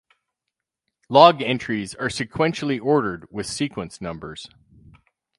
Log entries are sequentially ordered with Sequence Numbers.